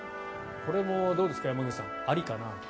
これもどうですか山口さんありかな。